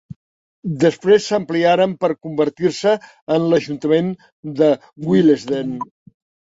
Després s'ampliaren per convertir-se en l'ajuntament de Willesden.